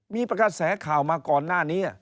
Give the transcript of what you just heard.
มีกระแสข่าวมาก่อนหน้านี้